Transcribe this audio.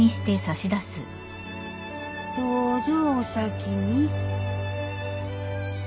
どうぞお先に。